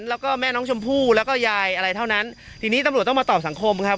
แล้วก็แม่น้องชมพู่แล้วก็ยายอะไรเท่านั้นทีนี้ตำรวจต้องมาตอบสังคมครับ